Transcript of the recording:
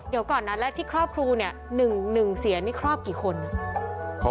เดี๋ยวก่อนนั้นแล้วที่ครอบครูเนี่ยหนึ่งเสียนนี่ครอบกี่คนน่ะ